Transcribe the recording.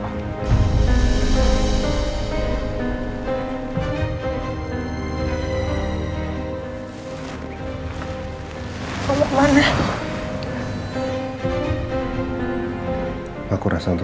atau sama siapa mitra anda